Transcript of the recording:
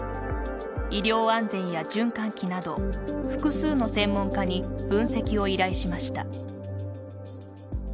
医療安全や循環器など複数の専門家に分析を依頼しました。